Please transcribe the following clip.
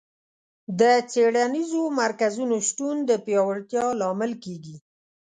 د څېړنیزو مرکزونو شتون د پیاوړتیا لامل کیږي.